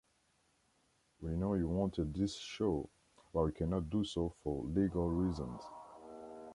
We know you wanted this show, but we cannot do so for legal reasons.